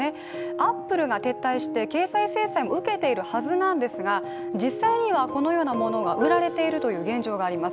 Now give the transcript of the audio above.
アップルが撤退して、経済制裁も受けているはずなんですが、実際にはこのようなものが売られているという現状があります。